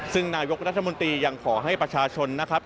ซึ่งนายกรัฐมนตรียังขอให้ประชาชนนะครับ